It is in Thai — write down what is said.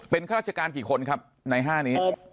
เป็นข้าราชการกี่คนครับใน๕นี้